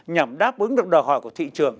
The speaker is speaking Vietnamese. nhằm đáp ứng được đòi hỏi của thị trường